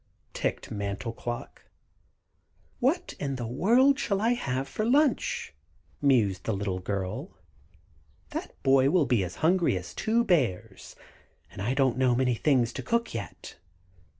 ticked Mantel Clock. "What in the world shall I have for lunch?" mused the little girl. "That boy will be as hungry as two bears, and I don't know many things to cook yet.